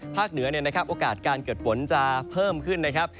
เหนือเนี่ยนะครับโอกาสการเกิดฝนจะเพิ่มขึ้นนะครับ